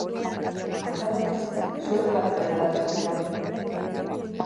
Antza denez, zuhaitz bat erori da trenbidera.